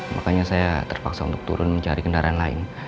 makanya saya terpaksa untuk turun mencari kendaraan lain